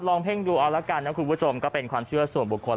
เพ่งดูเอาละกันนะคุณผู้ชมก็เป็นความเชื่อส่วนบุคคล